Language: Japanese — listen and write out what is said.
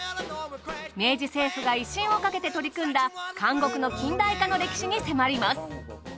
明治政府が威信をかけて取り組んだ監獄の近代化の歴史に迫ります。